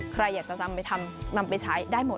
ใครอยากจะนำไปทำนำไปใช้ได้หมด